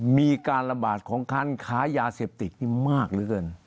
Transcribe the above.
มีการระบาดของคันค้ายาเสพติดมากเหลือเกิน